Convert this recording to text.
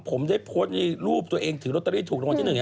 ผมได้โพสต์ในรูปตัวเองถือโรตเตอรี่ถูก